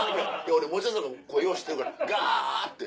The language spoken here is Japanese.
俺持田さんの声よう知ってるからガハハハって。